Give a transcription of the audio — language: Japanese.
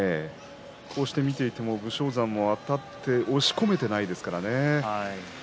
こうして見ていても武将山もあたって押し込めていないですからね。